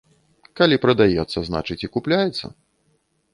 Калі прадаецца, значыць і купляецца.